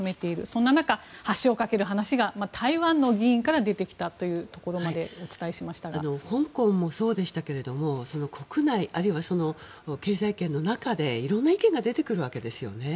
そんな中、橋を架けるという話が台湾の議員から出てきたというところまで香港もそうでしたが国内あるいは経済圏の中で色んな意見が出てくるわけですよね。